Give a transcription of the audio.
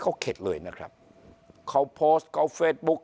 เขาเข็ดเลยนะครับเขาโพสต์เขาเฟซบุ๊ก